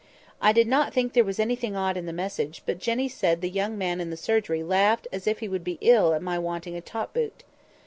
I did not think there was anything odd in the message; but Jenny said the young men in the surgery laughed as if they would be ill at my wanting a top boot.